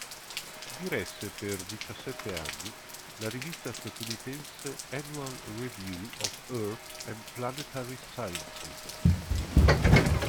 Diresse per diciassette anni la rivista statunitense "Annual Review of Earth and Planetary Sciences".